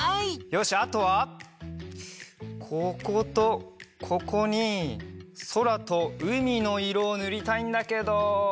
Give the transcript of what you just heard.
よしあとはこことここにそらとうみのいろをぬりたいんだけど。